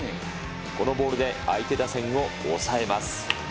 このボールで相手打線を抑えます。